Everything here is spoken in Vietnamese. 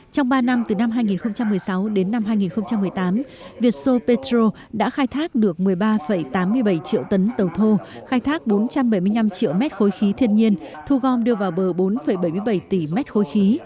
trong ba năm từ năm hai nghìn một mươi sáu đến năm hai nghìn một mươi tám vietso petro đã khai thác được một mươi ba tám mươi bảy triệu tấn dầu thô khai thác bốn trăm bảy mươi năm triệu mét khối khí thiên nhiên thu gom đưa vào bờ bốn bảy mươi bảy tỷ mét khối khí